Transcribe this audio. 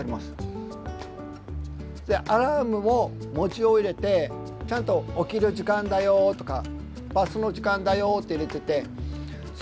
アラームも文字を入れてちゃんと「起きる時間だよ」とか「バスの時間だよ」って入れててそしてバスに乗り込む。